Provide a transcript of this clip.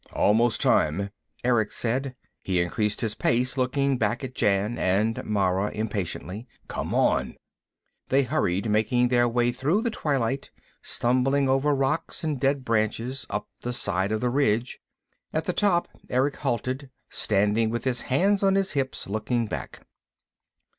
"Almost time!" Erick said. He increased his pace, looking back at Jan and Mara impatiently. "Come on!" They hurried, making their way through the twilight, stumbling over rocks and dead branches, up the side of the ridge. At the top Erick halted, standing with his hands on his hips, looking back.